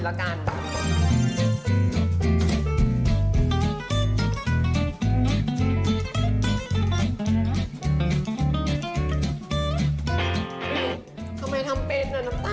ทำไมทำเป็นอ่ะน้ำตา